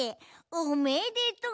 おめでとう！